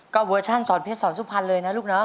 ก็เวอร์ชันสอนเพชรสอนสุพรรณเลยนะลูกเนาะ